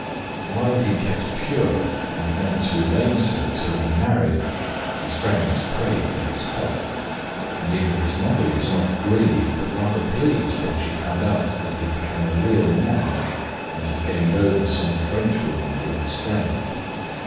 While he kept pure and meant to remain so till he married his friends prayed for his health, and even his mother was not grieved but rather pleased when she found out that he had become a real man and had gained over some French woman from his friend.